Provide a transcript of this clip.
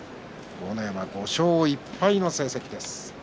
豪ノ山、５勝１敗の成績です。